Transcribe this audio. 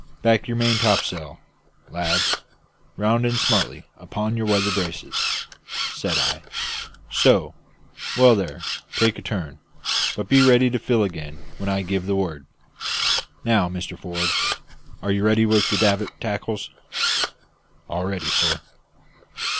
"Back your main topsail, lads; round in smartly upon your weather braces," said I. "So! well there; take a turn; but be ready to fill again when I give the word. Now, Mr Forbes, are you ready with the davit tackles?" "All ready, sir."